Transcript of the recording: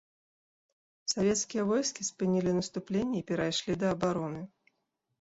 Савецкія войскі спынілі наступленне і перайшлі да абароны.